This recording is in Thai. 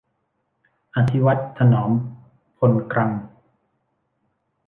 อธิวัตร ถนอมพลกรัง